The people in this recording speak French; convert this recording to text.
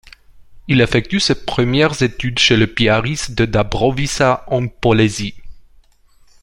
Il effectue ses premières études chez les piaristes de Dąbrowica, en Polésie.